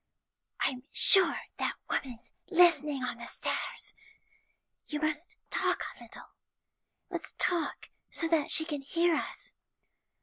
"I'm sure that woman's listening on the stairs. You must talk a little. Let's talk so she can hear us.